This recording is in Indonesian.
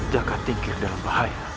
jaka tinggi dalam bahaya